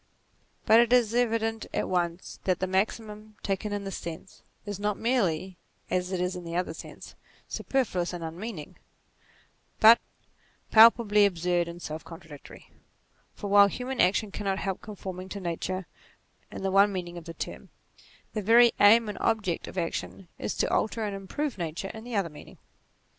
But it is evident at once that the maxim, taken in this sense, is not merely, as it is in the other sense, superfluous and unmeaning, but palpably absurd and self contradictory. For while human action cannot help conforming to Nature in the one meaning of the term, the very aim and ob ject of action is to alter and improve Nature in the other meaning.